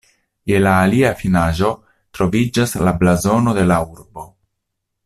Je la alia finaĵo troviĝas la blazono de la urbo.